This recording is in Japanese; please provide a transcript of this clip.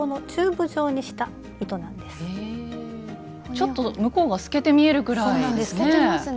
ちょっと向こうが透けて見えるぐらいですね。